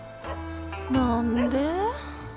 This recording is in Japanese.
何で？